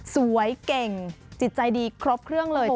สวยเก่งจิตใจดีครบเครื่องเลย